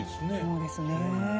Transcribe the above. そうですね。